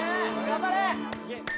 頑張れ！